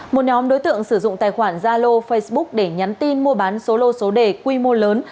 một nhóm đối tượng sử dụng tài khoản zalo facebook để nhắn tin mua bán số lô số đề quy mô lớn